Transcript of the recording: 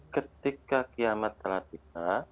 ketika kiamat telah tiba